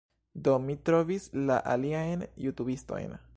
Do, mi trovis la aliajn jutubistojn